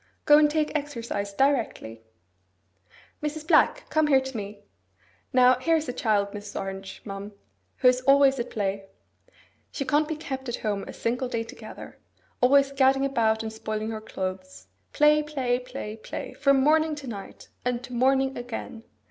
Go and take exercise directly. Mrs. Black, come here to me. Now, here is a child, Mrs. Orange, ma'am, who is always at play. She can't be kept at home a single day together; always gadding about and spoiling her clothes. Play, play, play, play, from morning to night, and to morning again.